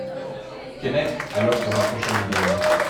Keinec alors se rapprocha d'Yvonne.